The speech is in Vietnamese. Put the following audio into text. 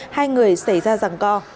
hai người xảy ra giảng co